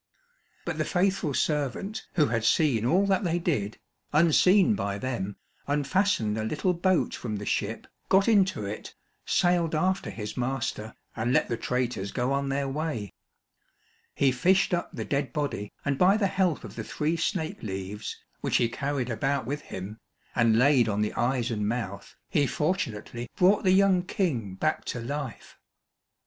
But the faithful servant who had seen all that they did, unseen by them, unfastened a little boat from the ship, got into it, sailed after his master, and let the traitors go on their way. He fished up the dead body, and by the help of the three snake leaves which he carried about with him, and laid on the eyes and mouth, he fortunately brought the young King back to life.